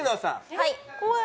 はい。